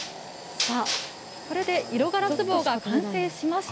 色ガラス棒が完成しました。